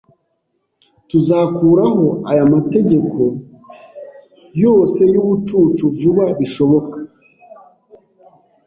Tuzakuraho aya mategeko yose yubucucu vuba bishoboka.